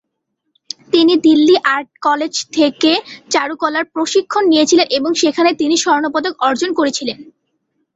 তিনি দিল্লি আর্টে কলেজ থেকে চারুকলার প্রশিক্ষণ নিয়েছিলেন এবং সেখানে তিনি স্বর্ণপদক অর্জন করেছিলেন।